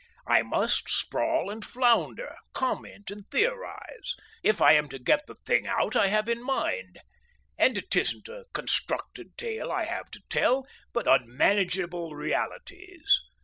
I must sprawl and flounder, comment and theorise, if I am to get the thing out I have in mind. And it isn't a constructed tale I have to tell, but unmanageable realities.